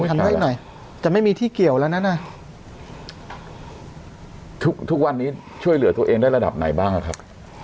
ทำได้หน่อยจะไม่มีที่เกี่ยวแล้วนะทุกทุกวันนี้ช่วยเหลือตัวเองได้ระดับไหนบ้างอ่ะครับ